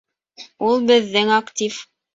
— Ул беҙҙең актив.